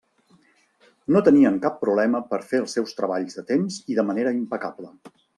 No tenien cap problema per a fer els seus treballs a temps i de manera impecable.